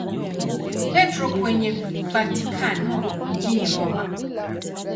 Petro kwenye Vatikano mjini Roma.